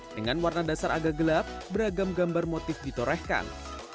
dengan warna dasar agak gelap beragam gambar motif ditorehkan